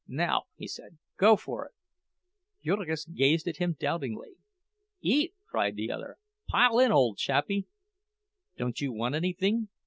"Now," he said, "go for it." Jurgis gazed at him doubtingly. "Eat!" cried the other. "Pile in, ole chappie!" "Don't you want anything?"